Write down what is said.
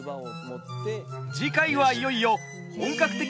次回はいよいよ本格的なお稽古開始。